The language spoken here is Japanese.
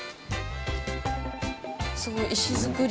すごい石造り。